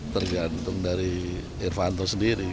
tergantung dari irvanto sendiri